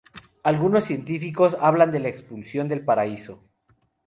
Algunos científicos hablan de la expulsión del paraíso.